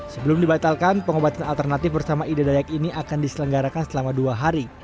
sebelum dibatalkan pengobatan alternatif bersama ida dayak ini akan diselenggarakan selama dua hari